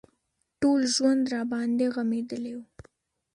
ټول ژوند راباندې غمېدلى و.